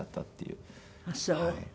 あっそう。